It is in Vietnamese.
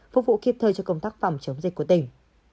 phục vụ kịp thời cho công tác phòng chống dịch của tỉnh